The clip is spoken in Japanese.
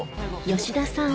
吉田さん